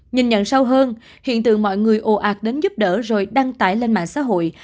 nhìn nhận sâu hơn hiện tượng mọi người ồ ạc đến giúp đỡ rồi đăng tải lên mạng xã hội